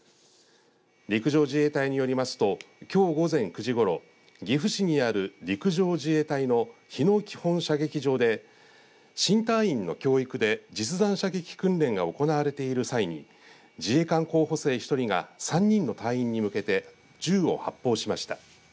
陸上自衛隊によりますときょう午前９時ごろ岐阜市にある陸上自衛隊の日野基本射撃場で新隊員の教育で実弾射撃訓練が行われている際に自衛官候補生１人が３人の隊員に向けて銃を発砲しました。